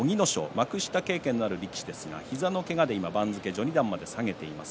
幕下経験のある力士ですが膝のけがで番付を序二段まで下げています。